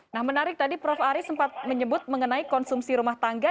nah menarik tadi prof aris sempat menyebut mengenai konsumsi rumah tangga